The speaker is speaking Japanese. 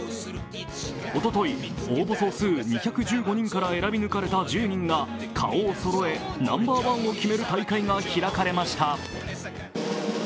おととい応募総数２１５人から選び抜かれた１０人が顔をそろえ、ナンバーワンを決める大会が開かれました。